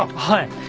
はい。